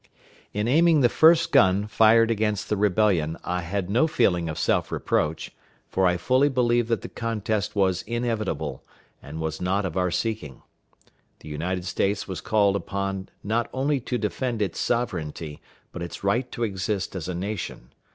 In aiming the first gun fired against the rebellion I had no feeling of self reproach, for I fully believed that the contest was inevitable, and was not of our seeking. The United States was called upon not only to defend its sovereignty, but its right to exist as a nation.